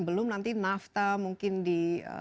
belum nanti nafta mungkin di